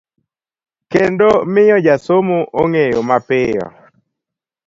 kendo miyo jasomo ng'eyogi mapiyo